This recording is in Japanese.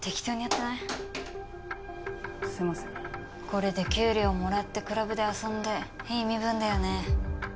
これで給料もらってクラブで遊んでいい身分だよね。